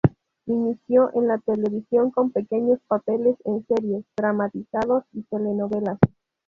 Inició en la televisión con pequeños papeles en series, dramatizados y telenovelas.